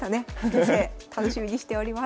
先生楽しみにしております。